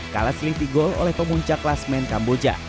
kalah selisih gol oleh pemuncak klasmen kamboja